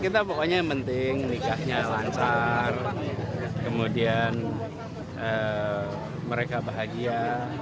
kita pokoknya yang penting nikahnya lancar kemudian mereka bahagia